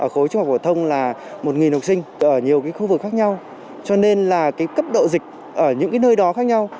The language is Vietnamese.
khối trung học phổ thông là một học sinh ở nhiều khu vực khác nhau cho nên là cấp độ dịch ở những nơi đó khác nhau